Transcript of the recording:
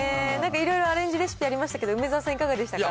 いろいろアレンジレシピありましたけれども、梅沢さん、いかがでしたか？